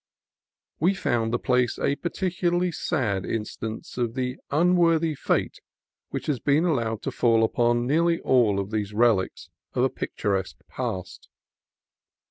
We found the place a particularly sad instance of the unworthy fate which has been allowed to fall upon nearly all these relics of a picturesque past.